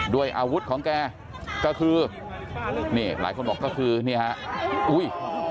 ด้วยอาวุธของแกก็คือนี่หลายคนบอกก็คือนี่ฮะอุ้ย